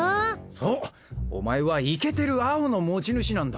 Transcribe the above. そうお前はイケてる青の持ち主なんだ。